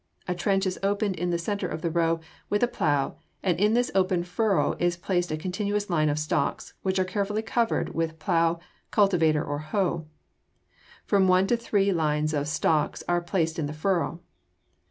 A trench is opened in the center of the row with a plow and in this open furrow is placed a continuous line of stalks which are carefully covered with plow, cultivator, or hoe. From one to three continuous lines of stalks are placed in the furrow.